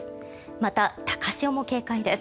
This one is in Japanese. また、高潮も警戒です。